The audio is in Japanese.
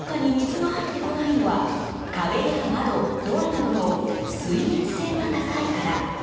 家の中に水が入ってこないのは壁や窓、ドアなどの水密性が高いから。